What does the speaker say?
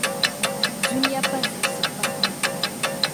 Duniya pa zimsi pam.